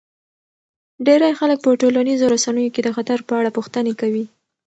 ډیری خلک په ټولنیزو رسنیو کې د خطر په اړه پوښتنې کوي.